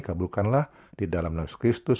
kaburkanlah di dalam nama kristus